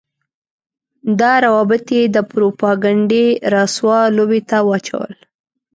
دا روابط يې د پروپاګنډۍ رسوا لوبې ته واچول.